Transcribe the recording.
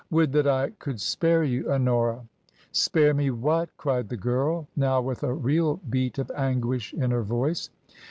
"Would that I could spare you, Honora !"" Spare me what ?" cried the girl, now with a real beat of anguish in her voice.